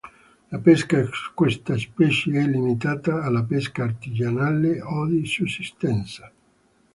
La pesca a questa specie è limitata alla pesca artigianale o di sussistenza.